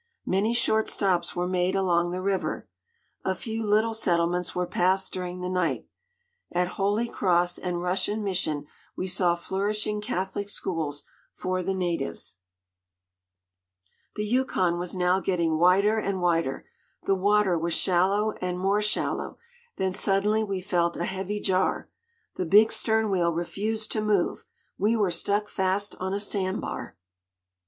Many short stops were made along the river. A few little settlements were passed during the night. At Holy Cross and Russian Mission we saw flourishing Catholic schools for the natives. The Yukon was now getting wider and wider, the water was shallow and more shallow, then suddenly we felt a heavy jar. The big stern wheel refused to move, we were stuck fast on a sand bar!